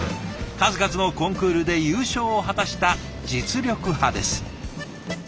数々のコンクールで優勝を果たした実力派です。